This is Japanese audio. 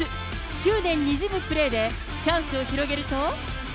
執念にじむプレーでチャンスを広げると。